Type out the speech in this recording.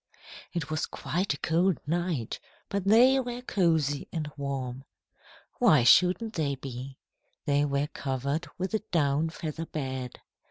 It was quite a cold night, but they were cosy and warm. Why shouldn't they be? They were covered with a down feather bed.